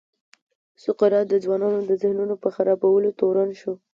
سقراط د ځوانانو د ذهنونو په خرابولو تورن شو.